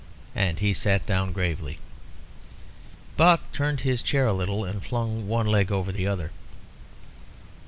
And he sat down gravely. Buck turned his chair a little, and flung one leg over the other.